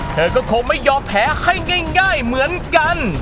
เธอก็คงไม่ยอมแพ้ให้ง่ายเหมือนกัน